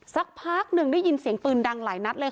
สักพักหนึ่งได้ยินเสียงปืนดังหลายนัดเลย